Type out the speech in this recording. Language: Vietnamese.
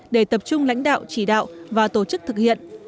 để tập trung lãnh đạo chỉ đạo và tổ chức thực hiện